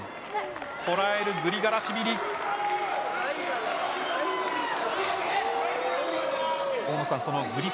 こらえる、グリガラシビリ。